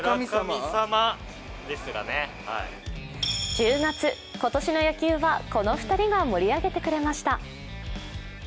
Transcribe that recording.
１０月、今年の野球はこの２人が盛り上げてくれました。